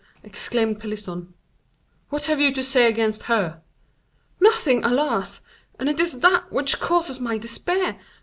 exclaimed Pelisson. "What have you to say against her?" "Nothing, alas! and it is that which causes my despair.